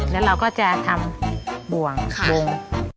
แล้วเราก็จะทำบ่วง